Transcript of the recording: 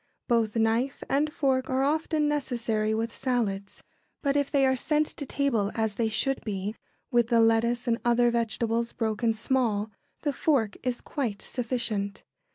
Both knife and fork are often necessary with salads, but if they are sent to table as they should be, with the lettuce and other vegetables broken small, the fork is quite sufficient.